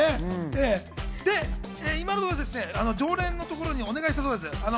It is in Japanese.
今のところ常連のところにお願いしたそうです。